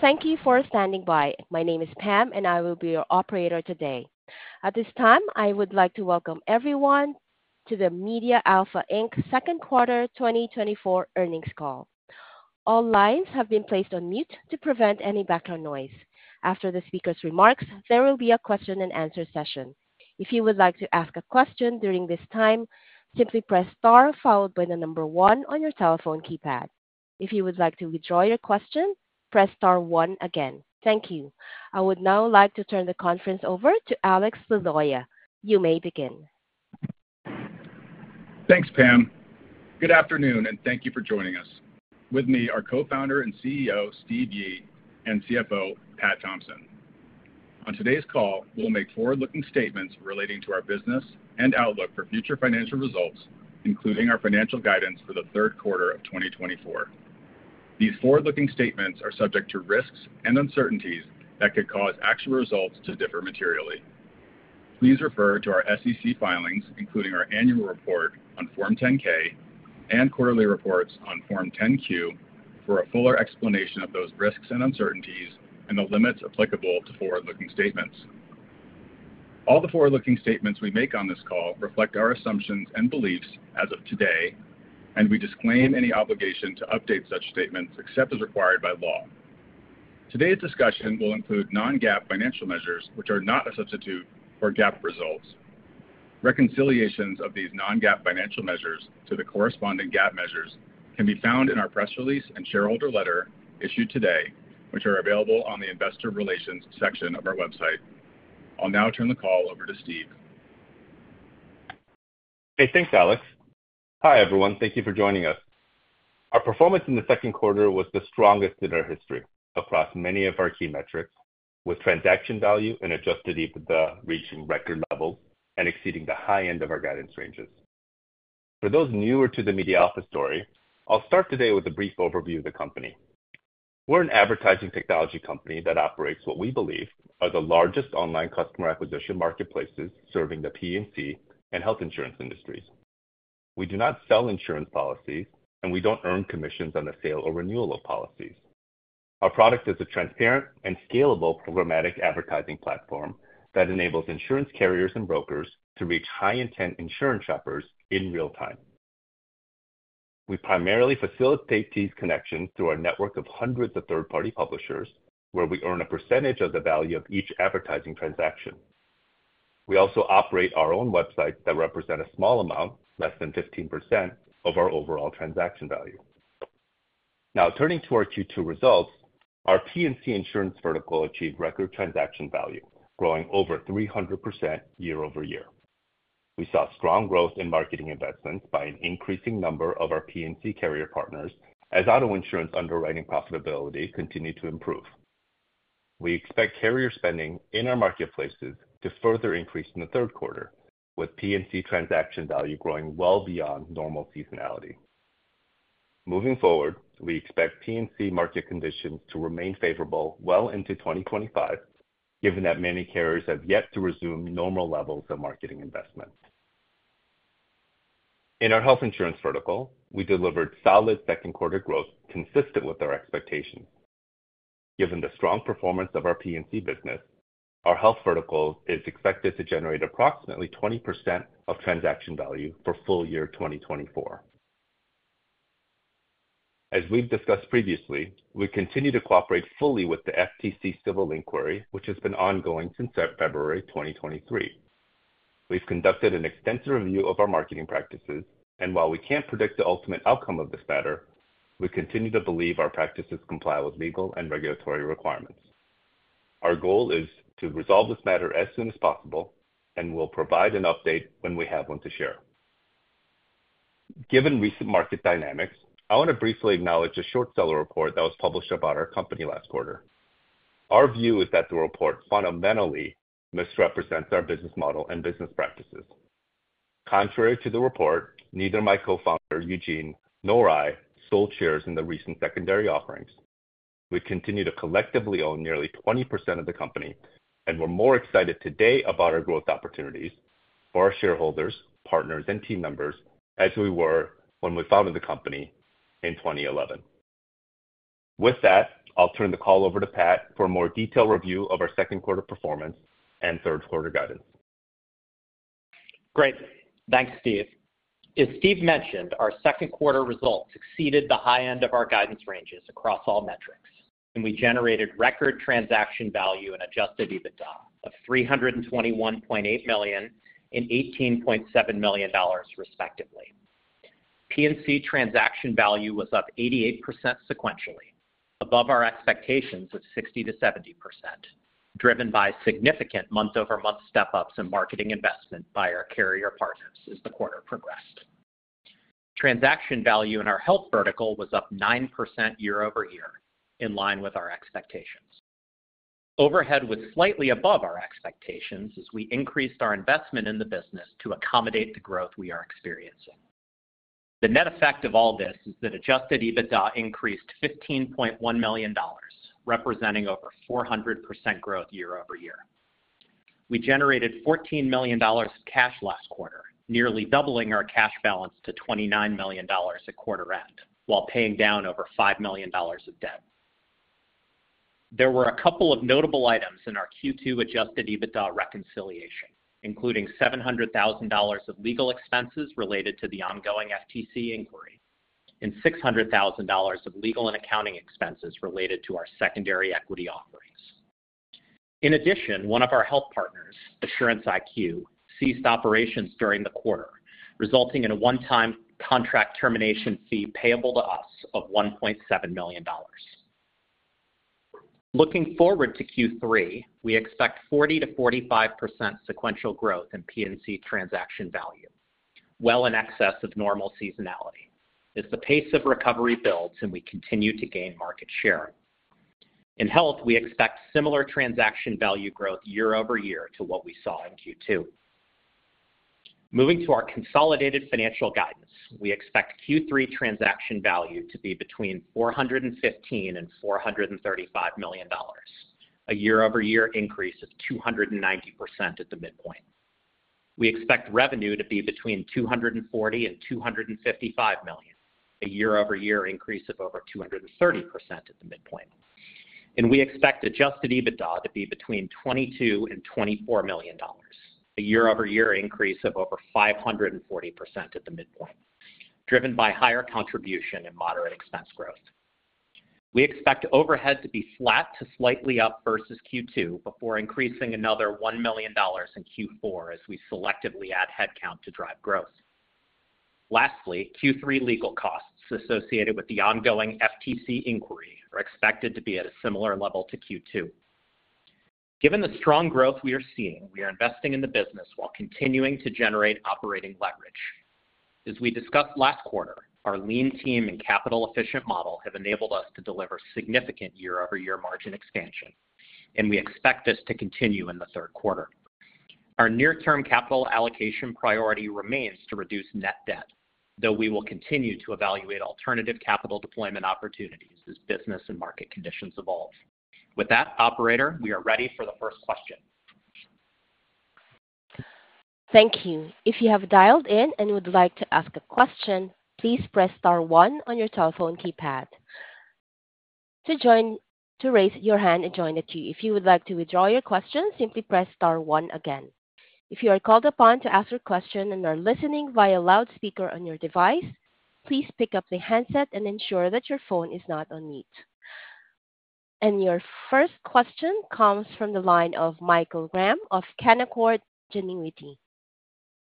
Thank you for standing by. My name is Pam, and I will be your operator today. At this time, I would like to welcome everyone to the MediaAlpha Inc. Second Quarter 2024 earnings call. All lines have been placed on mute to prevent any background noise. After the speaker's remarks, there will be a question-and-answer session. If you would like to ask a question during this time, simply press star followed by the number one on your telephone keypad. If you would like to withdraw your question, press star one again. Thank you. I would now like to turn the conference over to Alex Liloia. You may begin. Thanks, Pam. Good afternoon, and thank you for joining us. With me are Co-founder and CEO Steve Yi and CFO Pat Thompson. On today's call, we'll make forward-looking statements relating to our business and outlook for future financial results, including our financial guidance for the third quarter of 2024. These forward-looking statements are subject to risks and uncertainties that could cause actual results to differ materially. Please refer to our SEC filings, including our annual report on Form 10-K and quarterly reports on Form 10-Q, for a fuller explanation of those risks and uncertainties and the limits applicable to forward-looking statements. All the forward-looking statements we make on this call reflect our assumptions and beliefs as of today, and we disclaim any obligation to update such statements except as required by law. Today's discussion will include non-GAAP financial measures, which are not a substitute for GAAP results. Reconciliations of these non-GAAP financial measures to the corresponding GAAP measures can be found in our press release and shareholder letter issued today, which are available on the Investor Relations section of our website. I'll now turn the call over to Steve. Hey, thanks, Alex. Hi, everyone. Thank you for joining us. Our performance in the second quarter was the strongest in our history across many of our key metrics, with transaction value and Adjusted EBITDA reaching record levels and exceeding the high end of our guidance ranges. For those newer to the MediaAlpha story, I'll start today with a brief overview of the company. We're an advertising technology company that operates what we believe are the largest online customer acquisition marketplaces serving the P&C and health insurance industries. We do not sell insurance policies, and we don't earn commissions on the sale or renewal of policies. Our product is a transparent and scalable programmatic advertising platform that enables insurance carriers and brokers to reach high-intent insurance shoppers in real time. We primarily facilitate these connections through our network of hundreds of third-party publishers, where we earn a percentage of the value of each advertising transaction. We also operate our own websites that represent a small amount, less than 15%, of our overall transaction value. Now, turning to our Q2 results, our P&C insurance vertical achieved record transaction value, growing over 300% year-over-year. We saw strong growth in marketing investments by an increasing number of our P&C carrier partners as auto insurance underwriting profitability continued to improve. We expect carrier spending in our marketplaces to further increase in the third quarter, with P&C transaction value growing well beyond normal seasonality. Moving forward, we expect P&C market conditions to remain favorable well into 2025, given that many carriers have yet to resume normal levels of marketing investment. In our health insurance vertical, we delivered solid second-quarter growth consistent with our expectations. Given the strong performance of our P&C business, our health vertical is expected to generate approximately 20% of transaction value for full year 2024. As we've discussed previously, we continue to cooperate fully with the FTC civil inquiry, which has been ongoing since February 2023. We've conducted an extensive review of our marketing practices, and while we can't predict the ultimate outcome of this matter, we continue to believe our practices comply with legal and regulatory requirements. Our goal is to resolve this matter as soon as possible, and we'll provide an update when we have one to share. Given recent market dynamics, I want to briefly acknowledge a short seller report that was published about our company last quarter. Our view is that the report fundamentally misrepresents our business model and business practices. Contrary to the report, neither my co-founder, Eugene, nor I sold shares in the recent secondary offerings. We continue to collectively own nearly 20% of the company, and we're more excited today about our growth opportunities for our shareholders, partners, and team members as we were when we founded the company in 2011. With that, I'll turn the call over to Pat for a more detailed review of our second quarter performance and third quarter guidance. Great. Thanks, Steve. As Steve mentioned, our second quarter results exceeded the high end of our guidance ranges across all metrics, and we generated record transaction value and adjusted EBITDA of $321.8 million and $18.7 million, respectively. P&C transaction value was up 88% sequentially, above our expectations of 60%-70%, driven by significant month-over-month step-ups in marketing investment by our carrier partners as the quarter progressed. Transaction value in our health vertical was up 9% year-over-year, in line with our expectations. Overhead was slightly above our expectations as we increased our investment in the business to accommodate the growth we are experiencing. The net effect of all this is that adjusted EBITDA increased $15.1 million, representing over 400% growth year-over-year. We generated $14 million in cash last quarter, nearly doubling our cash balance to $29 million at quarter end while paying down over $5 million of debt. There were a couple of notable items in our Q2 adjusted EBITDA reconciliation, including $700,000 of legal expenses related to the ongoing FTC inquiry and $600,000 of legal and accounting expenses related to our secondary equity offerings. In addition, one of our health partners, Assurance IQ, ceased operations during the quarter, resulting in a one-time contract termination fee payable to us of $1.7 million. Looking forward to Q3, we expect 40%-45% sequential growth in P&C transaction value, well in excess of normal seasonality. As the pace of recovery builds and we continue to gain market share in health, we expect similar transaction value growth year-over-year to what we saw in Q2. Moving to our consolidated financial guidance, we expect Q3 transaction value to be between $415 million and $435 million, a year-over-year increase of 290% at the midpoint. We expect revenue to be between $240 million and $255 million, a year-over-year increase of over 230% at the midpoint. We expect adjusted EBITDA to be between $22 million and $24 million, a year-over-year increase of over 540% at the midpoint, driven by higher contribution and moderate expense growth. We expect overhead to be flat to slightly up versus Q2 before increasing another $1 million in Q4 as we selectively add headcount to drive growth. Lastly, Q3 legal costs associated with the ongoing FTC inquiry are expected to be at a similar level to Q2. Given the strong growth we are seeing, we are investing in the business while continuing to generate operating leverage. As we discussed last quarter, our lean team and capital-efficient model have enabled us to deliver significant year-over-year margin expansion, and we expect this to continue in the third quarter. Our near-term capital allocation priority remains to reduce net debt, though we will continue to evaluate alternative capital deployment opportunities as business and market conditions evolve. With that, operator, we are ready for the first question. Thank you. If you have dialed in and would like to ask a question, please press star one on your telephone keypad. To join, raise your hand and join the queue. If you would like to withdraw your question, simply press star one again. If you are called upon to ask your question and are listening via loudspeaker on your device, please pick up the handset and ensure that your phone is not on mute. And your first question comes from the line of Michael Graham of Canaccord Genuity.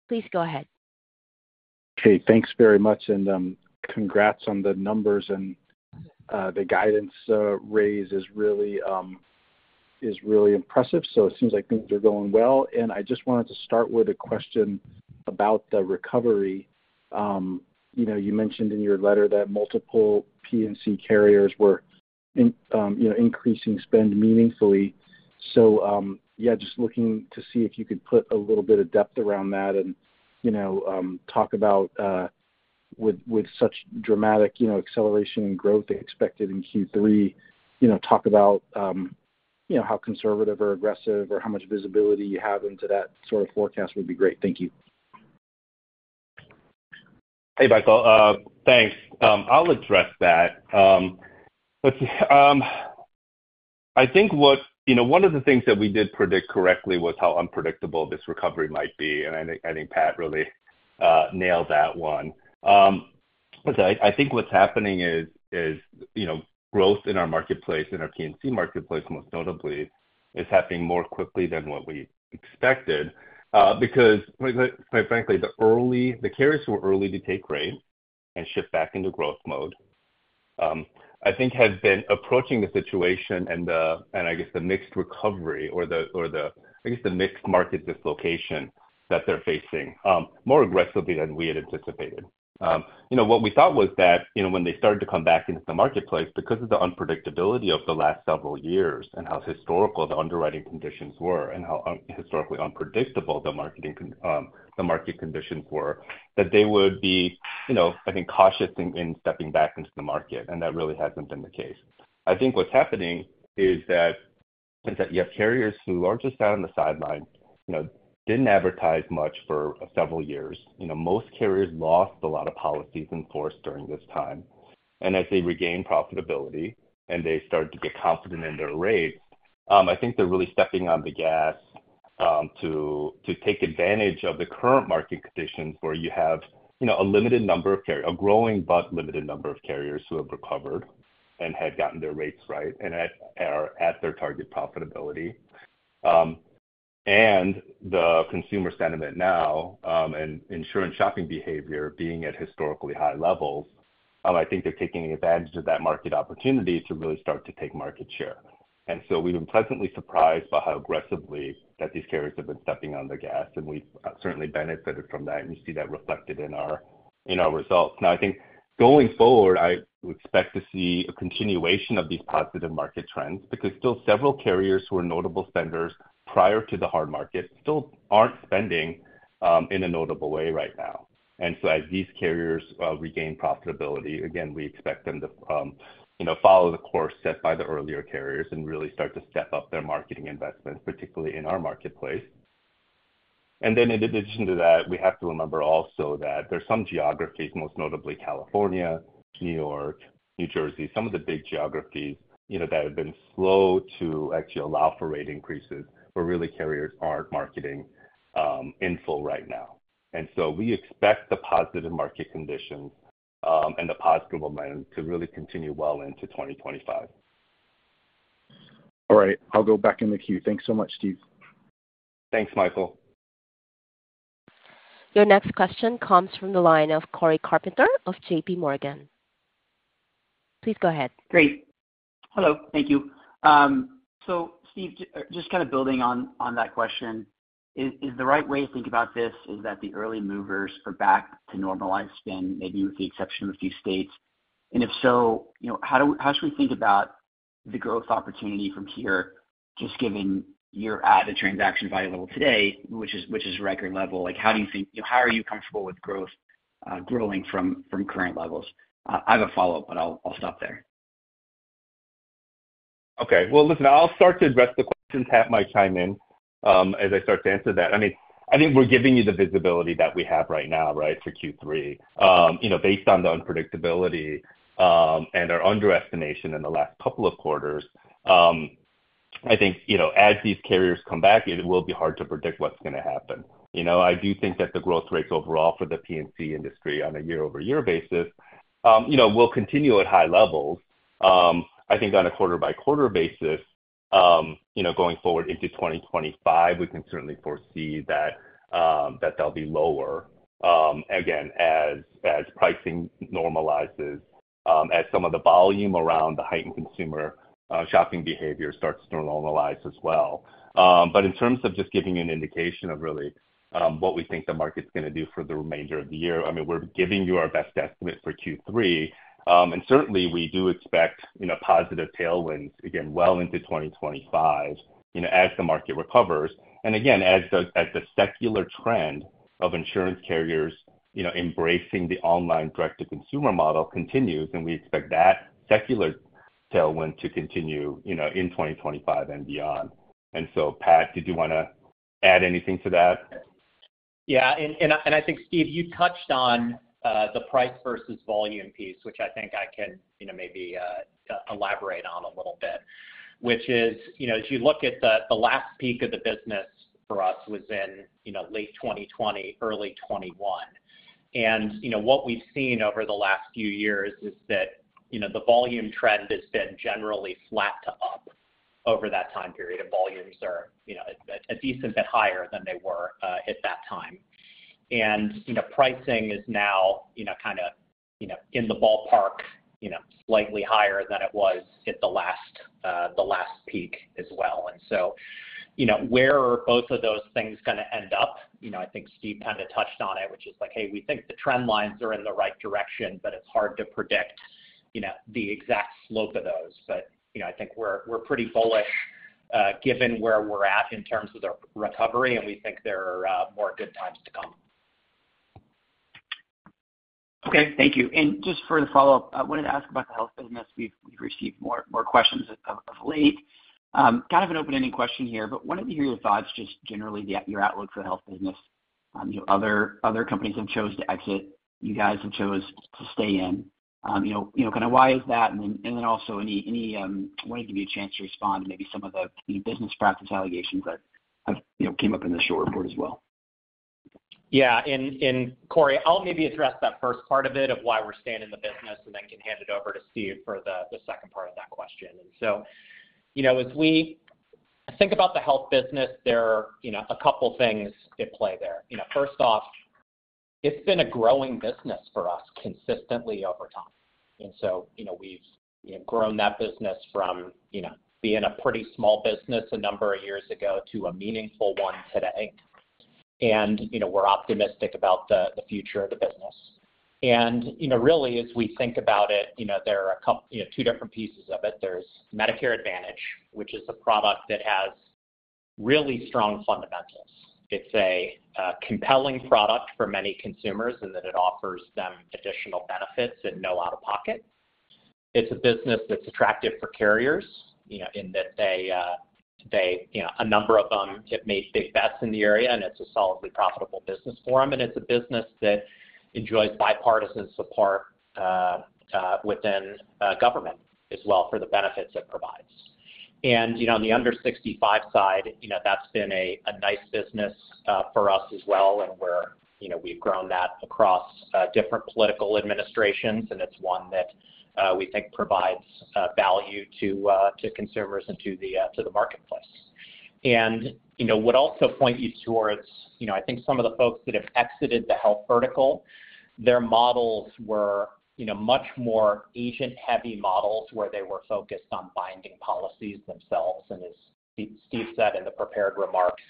Please go ahead. Okay. Thanks very much, and congrats on the numbers and the guidance raise is really impressive. So it seems like things are going well. And I just wanted to start with a question about the recovery. You mentioned in your letter that multiple P&C carriers were increasing spend meaningfully. So yeah, just looking to see if you could put a little bit of depth around that and talk about with such dramatic acceleration and growth expected in Q3, talk about how conservative or aggressive or how much visibility you have into that sort of forecast would be great. Thank you. Hey, Michael. Thanks. I'll address that. I think one of the things that we did predict correctly was how unpredictable this recovery might be. I think Pat really nailed that one. I think what's happening is growth in our marketplace, in our P&C marketplace, most notably, is happening more quickly than what we expected because, quite frankly, the carriers who were early to take rate and shift back into growth mode, I think, have been approaching the situation and, I guess, the mixed recovery or the, I guess, the mixed market dislocation that they're facing more aggressively than we had anticipated. What we thought was that when they started to come back into the marketplace, because of the unpredictability of the last several years and how historical the underwriting conditions were and how historically unpredictable the market conditions were, that they would be, I think, cautious in stepping back into the market. That really hasn't been the case. I think what's happening is that you have carriers who are just out on the sidelines, didn't advertise much for several years. Most carriers lost a lot of policies in force during this time. As they regained profitability and they started to get confident in their rates, I think they're really stepping on the gas to take advantage of the current market conditions where you have a limited number of carriers, a growing but limited number of carriers who have recovered and have gotten their rates right and are at their target profitability. The consumer sentiment now and insurance shopping behavior being at historically high levels, I think they're taking advantage of that market opportunity to really start to take market share. So we've been pleasantly surprised by how aggressively that these carriers have been stepping on the gas. We've certainly benefited from that. You see that reflected in our results. Now, I think going forward, I expect to see a continuation of these positive market trends because still several carriers who were notable spenders prior to the hard market still aren't spending in a notable way right now. And so as these carriers regain profitability, again, we expect them to follow the course set by the earlier carriers and really start to step up their marketing investments, particularly in our marketplace. And then in addition to that, we have to remember also that there are some geographies, most notably California, New York, New Jersey, some of the big geographies that have been slow to actually allow for rate increases where really carriers aren't marketing in full right now. And so we expect the positive market conditions and the positive momentum to really continue well into 2025. All right. I'll go back in the queue. Thanks so much, Steve. Thanks, Michael. Your next question comes from the line of Cory Carpenter of J.P. Morgan. Please go ahead. Great. Hello. Thank you. So, Steve, just kind of building on that question, is the right way to think about this is that the early movers are back to normalized spend, maybe with the exception of a few states? And if so, how should we think about the growth opportunity from here, just given your added transaction value level today, which is record level? How do you think? How are you comfortable with growth growing from current levels? I have a follow-up, but I'll stop there. Okay. Well, listen, I'll start to address the questions, Pat might chime in as I start to answer that. I mean, I think we're giving you the visibility that we have right now, right, for Q3 based on the unpredictability and our underestimation in the last couple of quarters. I think as these carriers come back, it will be hard to predict what's going to happen. I do think that the growth rates overall for the P&C industry on a year-over-year basis will continue at high levels. I think on a quarter-by-quarter basis, going forward into 2025, we can certainly foresee that they'll be lower, again, as pricing normalizes, as some of the volume around the heightened consumer shopping behavior starts to normalize as well. But in terms of just giving you an indication of really what we think the market's going to do for the remainder of the year, I mean, we're giving you our best estimate for Q3. And certainly, we do expect positive tailwinds, again, well into 2025 as the market recovers. And again, as the secular trend of insurance carriers embracing the online direct-to-consumer model continues, and we expect that secular tailwind to continue in 2025 and beyond. And so, Pat, did you want to add anything to that? Yeah. And I think, Steve, you touched on the price versus volume piece, which I think I can maybe elaborate on a little bit, which is, as you look at the last peak of the business for us was in late 2020, early 2021. What we've seen over the last few years is that the volume trend has been generally flat to up over that time period. Volumes are a decent bit higher than they were at that time. Pricing is now kind of in the ballpark, slightly higher than it was at the last peak as well. So where are both of those things going to end up? I think Steve kind of touched on it, which is like, hey, we think the trend lines are in the right direction, but it's hard to predict the exact slope of those. I think we're pretty bullish given where we're at in terms of the recovery, and we think there are more good times to come. Okay. Thank you. And just for the follow-up, I wanted to ask about the health business. We've received more questions of late. Kind of an open-ended question here, but wanted to hear your thoughts just generally, your outlook for the health business. Other companies have chosen to exit, you guys have chosen to stay in. Kind of why is that? And then also, I wanted to give you a chance to respond to maybe some of the business practice allegations that came up in the short report as well. Yeah. Cory, I'll maybe address that first part of it of why we're staying in the business and then can hand it over to Steve for the second part of that question. So as we think about the health business, there are a couple of things at play there. First off, it's been a growing business for us consistently over time. So we've grown that business from being a pretty small business a number of years ago to a meaningful one today. We're optimistic about the future of the business. Really, as we think about it, there are two different pieces of it. There's Medicare Advantage, which is a product that has really strong fundamentals. It's a compelling product for many consumers in that it offers them additional benefits and no out-of-pocket. It's a business that's attractive for carriers in that a number of them have made big bets in the area, and it's a solidly profitable business for them. It's a business that enjoys bipartisan support within government as well for the benefits it provides. On the under-65 side, that's been a nice business for us as well. We've grown that across different political administrations, and it's one that we think provides value to consumers and to the marketplace. What I'll point you towards, I think some of the folks that have exited the health vertical, their models were much more agent-heavy models where they were focused on binding policies themselves. As Steve said in the prepared remarks,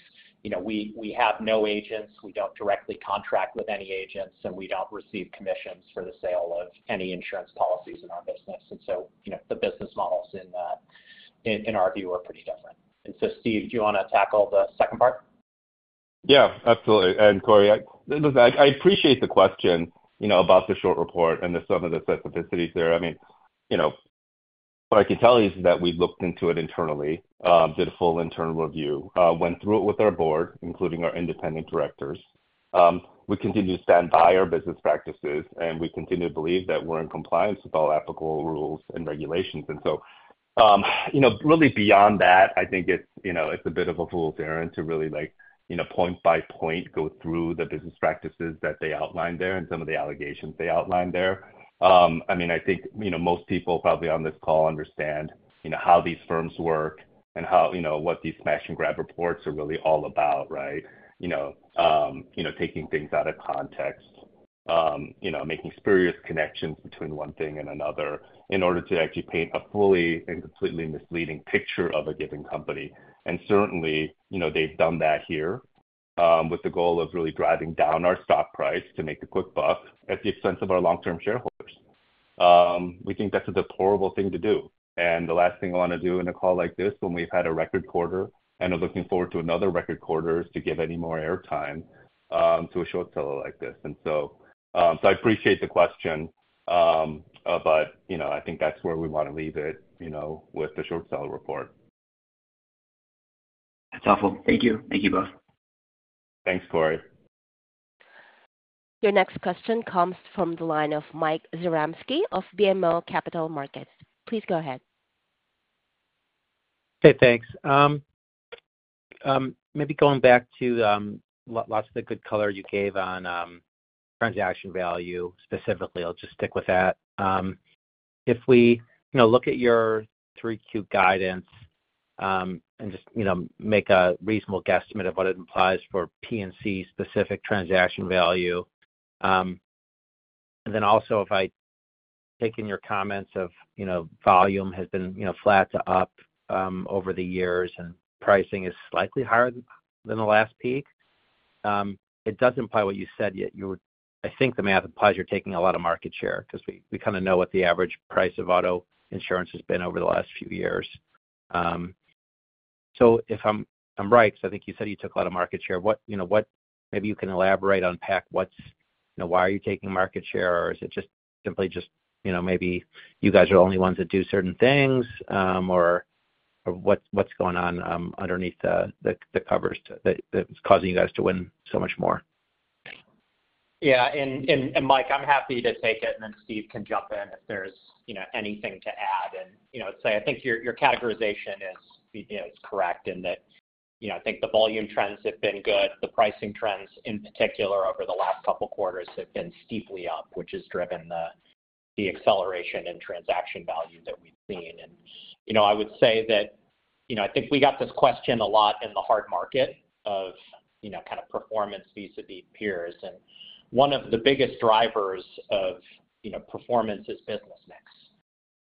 we have no agents. We don't directly contract with any agents, and we don't receive commissions for the sale of any insurance policies in our business. The business models in our view are pretty different. Steve, do you want to tackle the second part? Yeah, absolutely. And Cory, I appreciate the question about the short report and some of the specificities there. I mean, what I can tell you is that we've looked into it internally, did a full internal review, went through it with our board, including our independent directors. We continue to stand by our business practices, and we continue to believe that we're in compliance with all applicable rules and regulations. And so really beyond that, I think it's a bit of a fool's errand to really point by point go through the business practices that they outlined there and some of the allegations they outlined there. I mean, I think most people probably on this call understand how these firms work and what these smash-and-grab reports are really all about, right? Taking things out of context, making spurious connections between one thing and another in order to actually paint a fully and completely misleading picture of a given company. And certainly, they've done that here with the goal of really driving down our stock price to make a quick buck at the expense of our long-term shareholders. We think that's a deplorable thing to do. And the last thing I want to do in a call like this when we've had a record quarter and are looking forward to another record quarter is to give any more airtime to a short seller like this. And so I appreciate the question, but I think that's where we want to leave it with the short seller report. That's helpful. Thank you. Thank you both. Thanks, Cory. Your next question comes from the line of Mike Zaremski of BMO Capital Markets. Please go ahead. Hey, thanks. Maybe going back to lots of the good color you gave on transaction value specifically, I'll just stick with that. If we look at your Q3 guidance and just make a reasonable guesstimate of what it implies for P&C-specific transaction value, and then also if I take in your comments of volume has been flat to up over the years and pricing is slightly higher than the last peak, it does imply what you said yet. I think the math implies you're taking a lot of market share because we kind of know what the average price of auto insurance has been over the last few years. So if I'm right, because I think you said you took a lot of market share, maybe you can elaborate, unpack why are you taking market share, or is it simply just maybe you guys are the only ones that do certain things, or what's going on underneath the covers that's causing you guys to win so much more? Yeah. And Mike, I'm happy to take it. And then Steve can jump in if there's anything to add. I'd say I think your categorization is correct in that I think the volume trends have been good. The pricing trends in particular over the last couple of quarters have been steeply up, which has driven the acceleration in transaction value that we've seen. I would say that I think we got this question a lot in the hard market of kind of performance vis-à-vis peers. One of the biggest drivers of performance is business mix.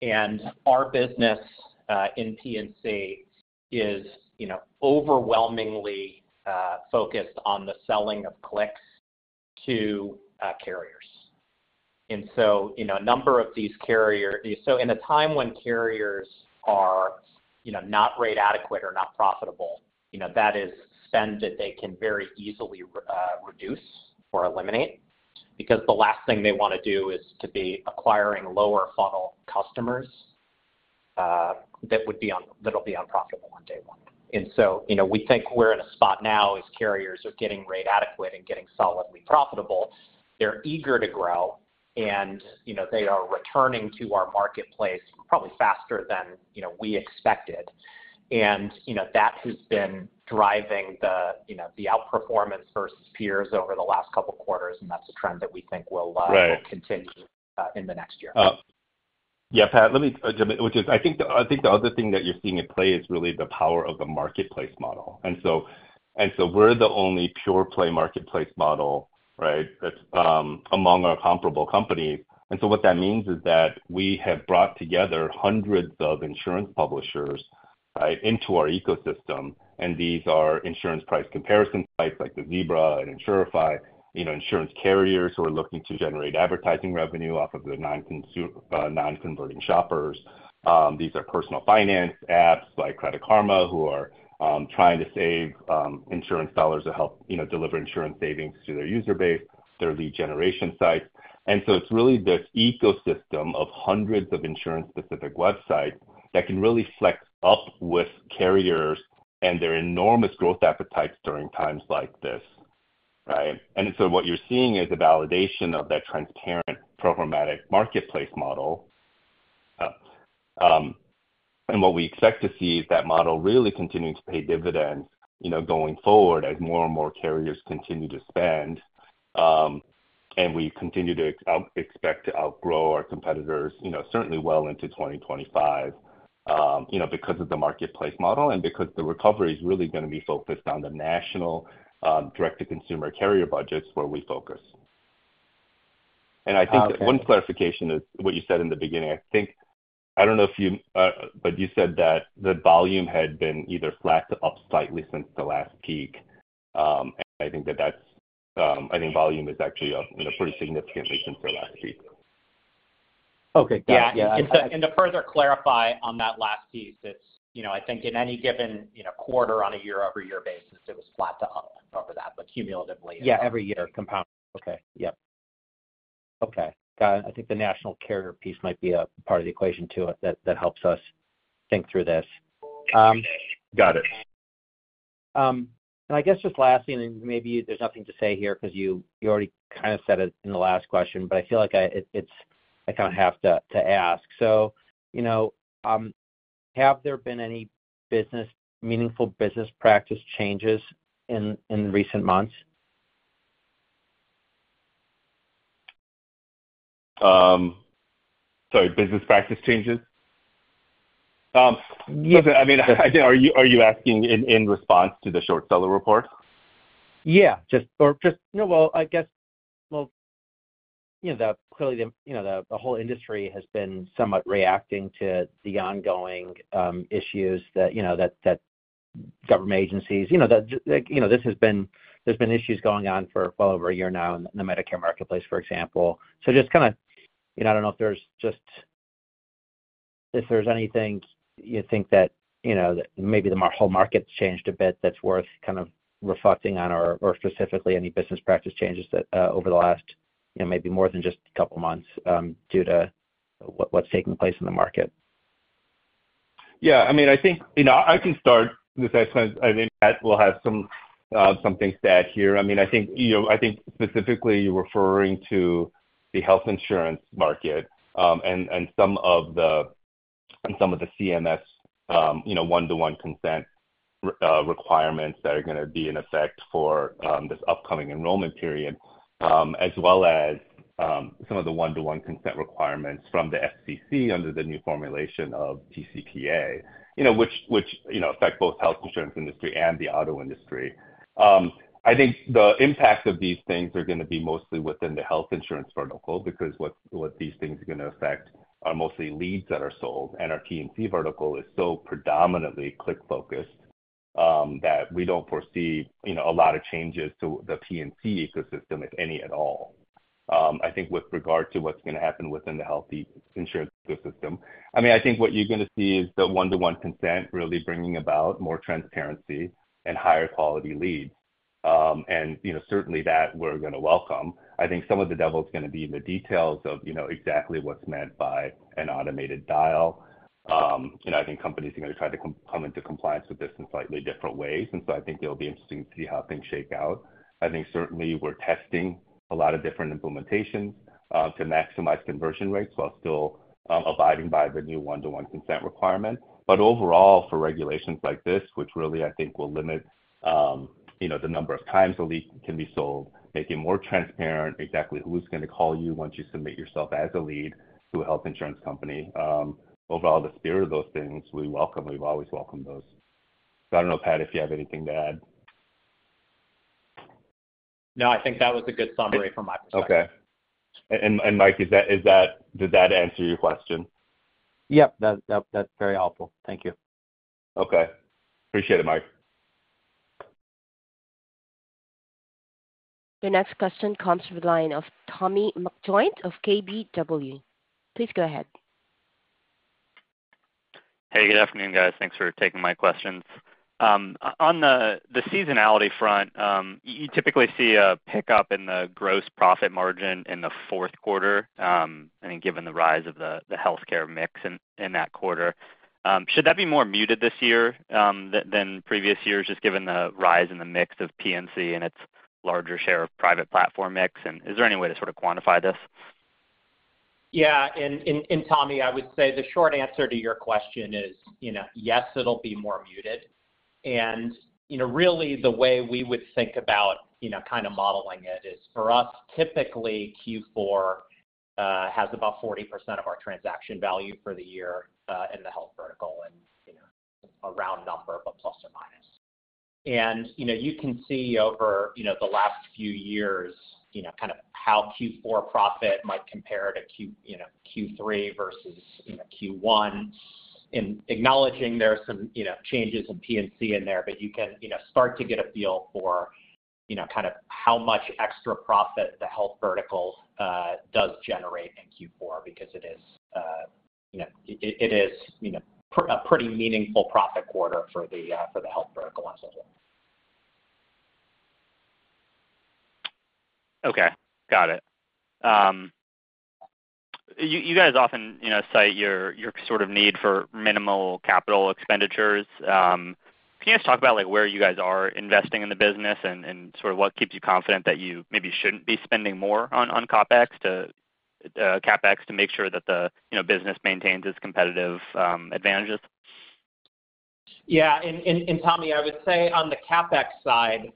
And our business in P&C is overwhelmingly focused on the selling of clicks to carriers. So a number of these carriers, so in a time when carriers are not rate adequate or not profitable, that is spend that they can very easily reduce or eliminate because the last thing they want to do is to be acquiring lower-funnel customers that will be unprofitable on day one. And so we think we're in a spot now as carriers are getting rate adequate and getting solidly profitable. They're eager to grow, and they are returning to our marketplace probably faster than we expected. And that has been driving the outperformance versus peers over the last couple of quarters. And that's a trend that we think will continue in the next year. Yeah, Pat, let me jump in, which is I think the other thing that you're seeing at play is really the power of the marketplace model. And so we're the only pure-play marketplace model, right, among our comparable companies. And so what that means is that we have brought together hundreds of insurance publishers, right, into our ecosystem. And these are insurance price comparison sites like The Zebra and Insurify, insurance carriers who are looking to generate advertising revenue off of their non-converting shoppers. These are personal finance apps like Credit Karma who are trying to save insurance dollars to help deliver insurance savings to their user base, their lead generation sites. And so it's really this ecosystem of hundreds of insurance-specific websites that can really flex up with carriers and their enormous growth appetites during times like this, right? And so what you're seeing is a validation of that transparent programmatic marketplace model. And what we expect to see is that model really continuing to pay dividends going forward as more and more carriers continue to spend. And we continue to expect to outgrow our competitors certainly well into 2025 because of the marketplace model and because the recovery is really going to be focused on the national direct-to-consumer carrier budgets where we focus. And I think one clarification is what you said in the beginning. I don't know if you but you said that the volume had been either flat to up slightly since the last peak. And I think that that's I think volume is actually up pretty significantly since the last peak. Okay. Got it. To further clarify on that last piece, it's I think in any given quarter on a year-over-year basis, it was flat to up over that, but cumulatively. Yeah, every year, compound. Okay. Yep. Okay. Got it. I think the national carrier piece might be a part of the equation too that helps us think through this. Got it. I guess just lastly, and maybe there's nothing to say here because you already kind of said it in the last question, but I feel like I kind of have to ask. So have there been any meaningful business practice changes in recent months? Sorry, business practice changes? Yes. I mean, are you asking in response to the short seller report? Yeah. Or just, well, I guess, well, clearly, the whole industry has been somewhat reacting to the ongoing issues that government agencies. There's been issues going on for well over a year now in the Medicare marketplace, for example. So just kind of, I don't know if there's anything you think that maybe the whole market's changed a bit that's worth kind of reflecting on or specifically any business practice changes over the last maybe more than just a couple of months due to what's taking place in the market. Yeah. I mean, I think I can start. As I mentioned, we'll have some things to add here. I mean, I think specifically you're referring to the health insurance market and some of the CMS one-to-one consent requirements that are going to be in effect for this upcoming enrollment period, as well as some of the one-to-one consent requirements from the FCC under the new formulation of TCPA, which affect both health insurance industry and the auto industry. I think the impact of these things are going to be mostly within the health insurance vertical because what these things are going to affect are mostly leads that are sold. And our P&C vertical is so predominantly click-focused that we don't foresee a lot of changes to the P&C ecosystem, if any at all, I think with regard to what's going to happen within the health insurance ecosystem. I mean, I think what you're going to see is the one-to-one consent really bringing about more transparency and higher quality leads. And certainly, that we're going to welcome. I think some of the devil's going to be in the details of exactly what's meant by an automated dial. I think companies are going to try to come into compliance with this in slightly different ways. And so I think it'll be interesting to see how things shake out. I think certainly we're testing a lot of different implementations to maximize conversion rates while still abiding by the new one-to-one consent requirement. But overall, for regulations like this, which really I think will limit the number of times a lead can be sold, making it more transparent exactly who's going to call you once you submit yourself as a lead to a health insurance company. Overall, the spirit of those things, we welcome. We've always welcomed those. So I don't know, Pat, if you have anything to add. No, I think that was a good summary from my perspective. Okay. Mike, did that answer your question? Yep. That's very helpful. Thank you. Okay. Appreciate it, Mike. Your next question comes from the line of Tommy McJoynt of KBW. Please go ahead. Hey, good afternoon, guys. Thanks for taking my questions. On the seasonality front, you typically see a pickup in the gross profit margin in the fourth quarter, I think given the rise of the healthcare mix in that quarter. Should that be more muted this year than previous years, just given the rise in the mix of P&C and its larger share of private platform mix? And is there any way to sort of quantify this? Yeah. And Tommy, I would say the short answer to your question is, yes, it'll be more muted. And really, the way we would think about kind of modeling it is for us, typically, Q4 has about 40% of our transaction value for the year in the health vertical and a round number, but ±. And you can see over the last few years kind of how Q4 profit might compare to Q3 versus Q1, acknowledging there are some changes in P&C in there, but you can start to get a feel for kind of how much extra profit the health vertical does generate in Q4 because it is a pretty meaningful profit quarter for the health vertical as a whole. Okay. Got it. You guys often cite your sort of need for minimal capital expenditures. Can you guys talk about where you guys are investing in the business and sort of what keeps you confident that you maybe shouldn't be spending more on CapEx to make sure that the business maintains its competitive advantages? Yeah. And Tommy, I would say on the CapEx side,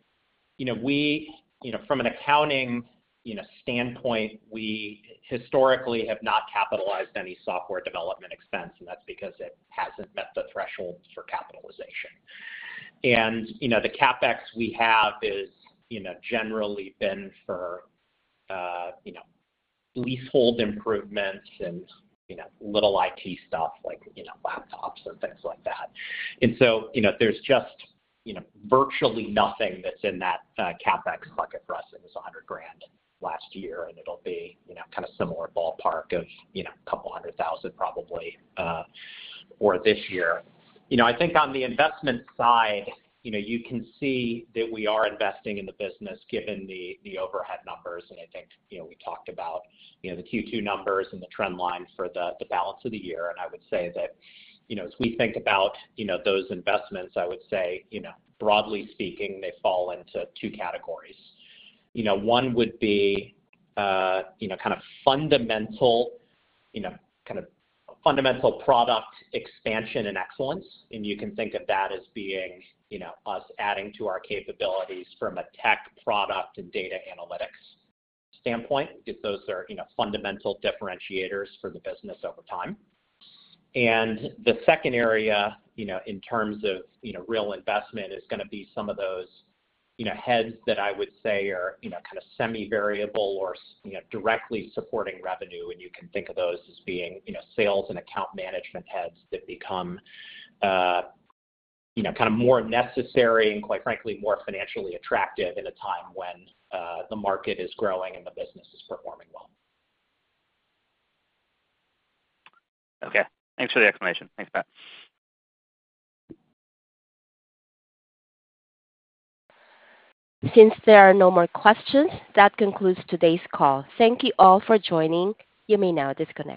from an accounting standpoint, we historically have not capitalized any software development expense, and that's because it hasn't met the threshold for capitalization. And the CapEx we have has generally been for leasehold improvements and little IT stuff like laptops and things like that. And so there's just virtually nothing that's in that CapEx bucket for us. I think it was $100,000 last year, and it'll be kind of similar ballpark of $200,000 probably for this year. I think on the investment side, you can see that we are investing in the business given the overhead numbers. And I think we talked about the Q2 numbers and the trend line for the balance of the year. And I would say that as we think about those investments, I would say, broadly speaking, they fall into two categories. One would be kind of fundamental kind of product expansion and excellence. And you can think of that as being us adding to our capabilities from a tech product and data analytics standpoint because those are fundamental differentiators for the business over time. And the second area in terms of real investment is going to be some of those heads that I would say are kind of semi-variable or directly supporting revenue. And you can think of those as being sales and account management heads that become kind of more necessary and, quite frankly, more financially attractive in a time when the market is growing and the business is performing well. Okay. Thanks for the explanation. Thanks, Pat. Since there are no more questions, that concludes today's call. Thank you all for joining. You may now disconnect.